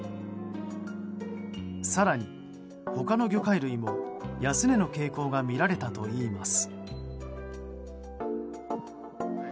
更に、他の魚介類も安値の傾向が見られたといいます。